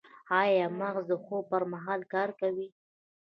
ایا مغز د خوب پر مهال کار کوي؟